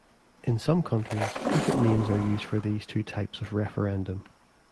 In some countries, different names are used for these two types of referendum.